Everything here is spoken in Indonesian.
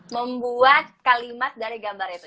membuat kalimat dari gambar itu